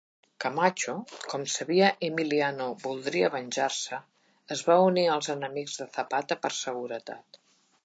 Camacho, com sabia Emiliano voldria venjar-se, es va unir als enemics de Zapata per seguretat.